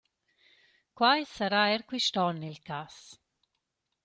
Quai sarà eir quist on il cas.